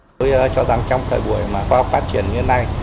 tôi cho rằng trong thời buổi mà khoa học phát triển như thế này